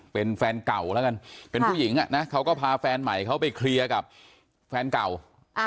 เป็นแฟนเก่าแล้วกันเป็นผู้หญิงอ่ะนะเขาก็พาแฟนใหม่เขาไปเคลียร์กับแฟนเก่า